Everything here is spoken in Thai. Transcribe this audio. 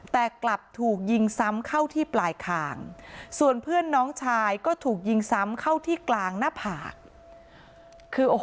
แต่กลับถูกยิงซ้ำเข้าที่ปลายคางส่วนเพื่อนน้องชายก็ถูกยิงซ้ำเข้าที่กลางหน้าผากคือโอ้โห